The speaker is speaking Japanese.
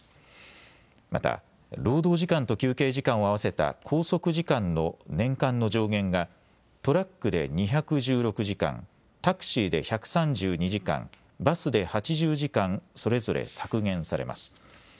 また労働時間と休憩時間を合わせた拘束時間の年間の上限がトラックで２１６時間、タクシーで１３２時間、バスで８０時間それぞれ削減されます。